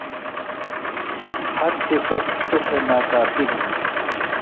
ہر صِفت توۡ تھےۡ ناکافی ہِنیۡ۔